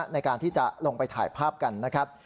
ในการที่จะลงไปถ่ายภาพกันนะครับ